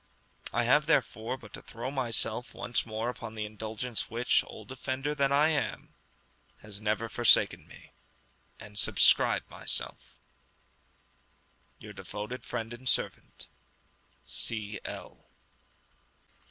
I have, therefore, but to throw myself once more upon the indulgence which, "old offender" that I am, has never forsaken me, and subscribe myself, Your devoted friend and servant, C. L.